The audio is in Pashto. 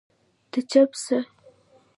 ته چپ سه